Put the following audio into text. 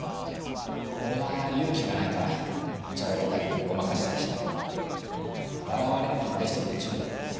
俺は勇気がないからおちゃらけたりごまかしたりしてたけど笑われるのは俺一人で十分。